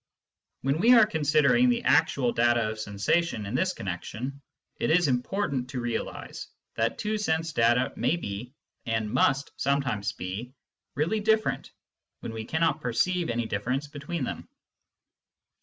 When we are considering the actual data of sensation in this connection, it is important to realise that two sense data may be, and must sometimes be, really different when we cannot perceive any difference between them.